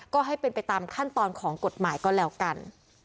ก็ให้เป็นไปตามขั้นตอนของกฎหมายก็แล้วกัน